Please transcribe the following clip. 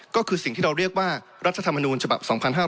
ก็คือสิ่งที่เราเรียกว่ารัฐธรรมนูญฉบับ๒๕๕๙